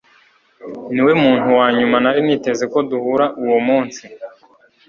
Niwe muntu wa nyuma nari niteze ko duhura uwo munsi